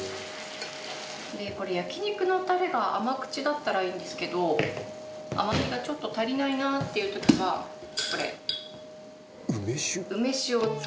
焼肉のタレが甘口だったらいいんですけど甘みがちょっと足りないなっていう時はこれ。